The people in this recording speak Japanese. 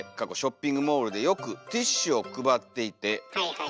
はいはい。